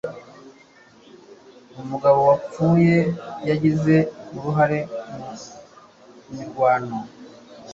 Umugabo wapfuye yagize uruhare mu mirwano